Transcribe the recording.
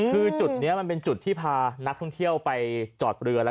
คือจุดนี้มันเป็นจุดที่พานักท่องเที่ยวไปจอดเรือ